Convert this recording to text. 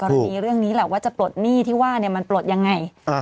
เรื่องนี้แหละว่าจะปลดหนี้ที่ว่ามันปลดยังไง